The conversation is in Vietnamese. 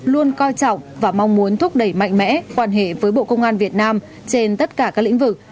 luôn coi trọng và mong muốn thúc đẩy mạnh mẽ quan hệ với bộ công an việt nam trên tất cả các lĩnh vực